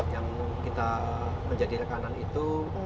yang kita menjadi rekanan itu